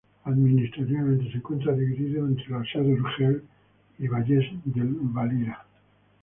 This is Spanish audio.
Administrativamente se encuentra dividido entre Seo de Urgel y Valles del Valira.